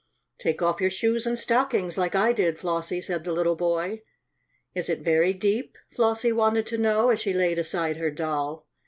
"Take off your shoes and stockings like I did, Flossie," said the little boy. "Is it very deep?" Flossie wanted to know, as she laid aside her doll.